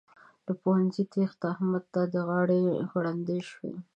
له پوهنځي تېښته؛ احمد ته د غاړې غړوندی شو.